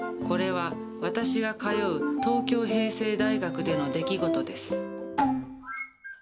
これは私が通う東京平成大学での出来事です。